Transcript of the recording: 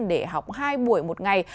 để học hai buổi một ngày